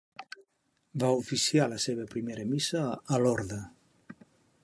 Va oficiar la seva primera missa a Lorda.